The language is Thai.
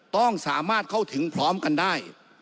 ต้องสามารถเข้าถึงพร้อมกันได้